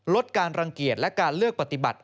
ลดการรังเกียจและการเลือกปฏิบัติ